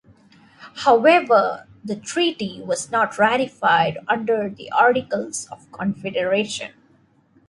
However, the Treaty was not ratified under the Articles of Confederation.